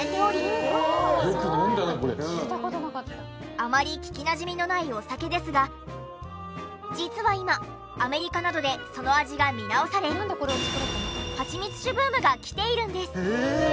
あまり聞きなじみのないお酒ですが実は今アメリカなどでその味が見直され蜂蜜酒ブームが来ているんです。